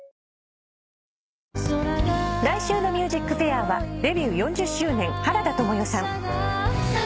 来週の『ＭＵＳＩＣＦＡＩＲ』はデビュー４０周年原田知世さん。